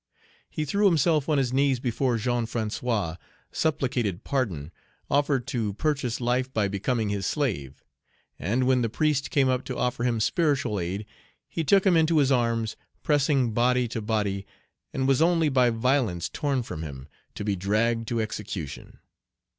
He threw himself on his knees before Jean François, supplicated pardon, offered to purchase life by becoming his slave; and when the priest came up to offer him spiritual aid, he took him into his arms, pressing body to body, and was only by violence torn from him, to be dragged to execution.